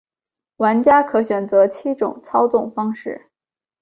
玩家可选择七种操纵方式。